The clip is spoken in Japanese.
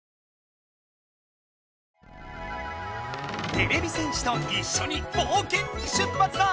てれび戦士といっしょにぼうけんに出ぱつだ！